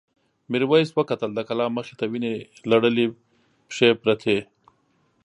میرويس وکتل د کلا مخې ته وینې لړلې پښې پرتې.